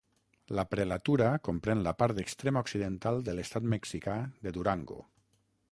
La prelatura comprèn la part extrema occidental de l'estat mexicà de Durango.